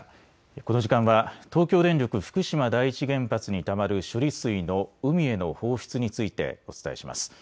この時間は東京電力福島第一原発にたまる処理水の海への放出についてお伝えします。